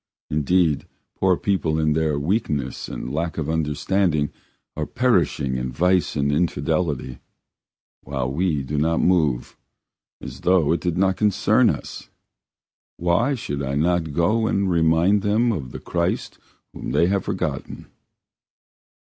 Indeed, poor people in their weakness and lack of understanding are perishing in vice and infidelity, while we do not move, as though it did not concern us. Why should I not go and remind them of the Christ whom they have forgotten?"